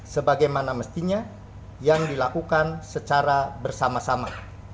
sebagaimana mestinya yang dilakukan secara bersama sama